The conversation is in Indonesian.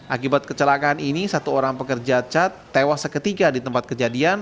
akibat kecelakaan ini satu orang pekerja cat tewas seketika di tempat kejadian